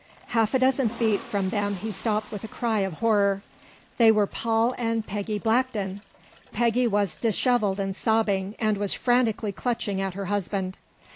Half a dozen feet from them he stopped with a cry of horror. They were Paul and Peggy Blackton! Peggy was dishevelled and sobbing, and was frantically clutching at her husband.